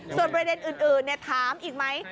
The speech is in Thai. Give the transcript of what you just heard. ส่วนประเด็นอื่นถามอีกไหม